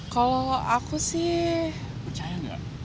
kalau aku sih percaya